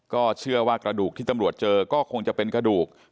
ก็เชื่อว่ากระดูกที่ตำรวจเจอก็คงจะเป็นกระดูก